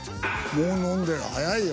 もう飲んでる早いよ。